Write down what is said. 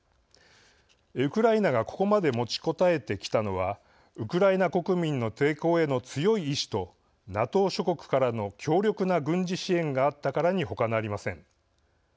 ウクライナがここまで持ちこたえてきたのはウクライナ国民の抵抗への強い意思とＮＡＴＯ諸国からの強力な軍事支援があったからにほかなりません。